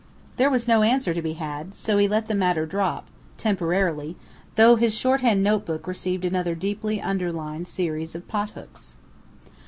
There was no answer to be had, so he let the matter drop, temporarily, though his shorthand notebook received another deeply underlined series of pothooks.